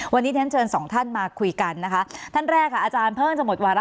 วันนี้ฉันเชิญสองท่านมาคุยกันนะคะท่านแรกค่ะอาจารย์เพิ่งจะหมดวาระ